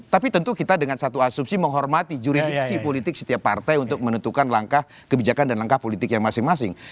tapi tentu kita dengan satu asumsi menghormati juridiksi politik setiap partai untuk menentukan langkah kebijakan dan langkah politik yang masing masing